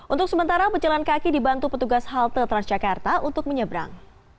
untuk sementara pejalan kaki dibantu petugas halte transjakarta untuk menyeberang